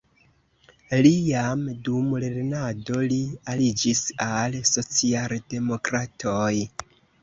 Li jam dum lernado li aliĝis al socialdemokratoj.